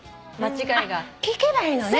聞けばいいのね。